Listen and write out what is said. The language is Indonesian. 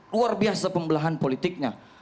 luar biasa pembelahan politiknya